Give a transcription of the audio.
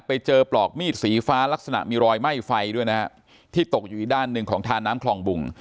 ไปเจอปลอกมีดสีฟ้าลักษณะมีรอยไหม้ไฟด้วยนะฮะที่ตกอยู่อีกด้านหนึ่งของทาน้ำคลองบุง